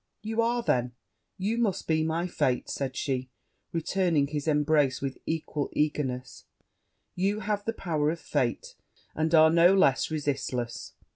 'You are then you must be, my fate!' said she, returning his embrace with equal eagerness: 'you have the power of fate; and are no less resistless.